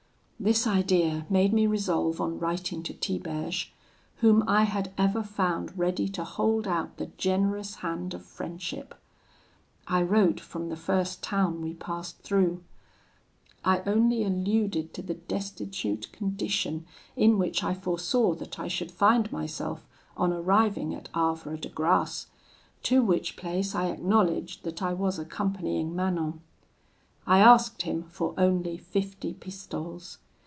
"This idea made me resolve on writing to Tiberge, whom I had ever found ready to hold out the generous hand of friendship. I wrote from the first town we passed through. I only alluded to the destitute condition in which I foresaw that I should find myself on arriving at Havre de Grace, to which place I acknowledged that I was accompanying Manon. I asked him for only fifty pistoles.